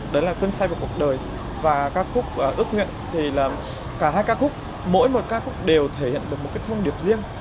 đấy là cơn say vào cuộc đời và ca khúc ước nguyện thì là cả hai ca khúc mỗi một ca khúc đều thể hiện được một cái thông điệp riêng